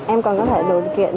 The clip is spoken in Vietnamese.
em còn có thể đủ điều kiện